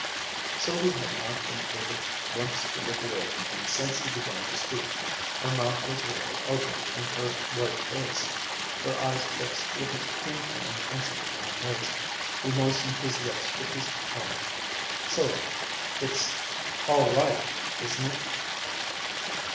Sylvia had not been able once to look away from him since he began to speak. Her mouth was a little open in her white face, her eyes fixed with a painful intensity on his. He moistened his lips with his tongue. "Sylvia it's all right isn't it?"